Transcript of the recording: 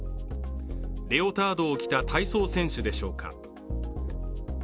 レオタードを着た体操選手でしょうか。